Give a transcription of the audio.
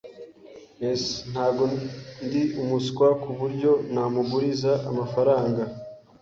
[S] Ntabwo ndi umuswa kuburyo namuguriza amafaranga.